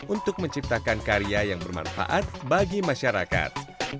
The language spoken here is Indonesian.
untuk menciptakan karya yang bermanfaat bagi masyarakat